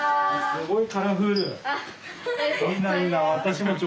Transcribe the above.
すごい。